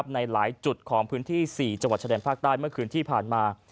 ในหลายจุดของพื้นที่๔จังหวัดชะแดนภาคใต้เมื่อคืนที่ผ่านมา